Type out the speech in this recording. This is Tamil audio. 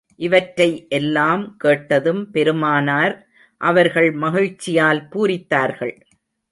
இவற்றை எல்லாம் கேட்டதும் பெருமானார் அவர்கள் மகிழ்ச்சியால் பூரித்தார்கள்.